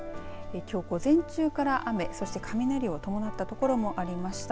きょう午前中から雨そして雷を伴ったところもありました。